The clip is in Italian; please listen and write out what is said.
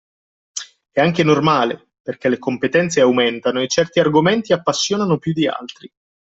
È anche normale, perché le competenze aumentano e certi argomenti appassionano più di altri